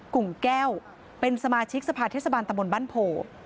กุ่งแก้วเป็นสมาชิกสภาทเทศบาลตำรวจบันโภ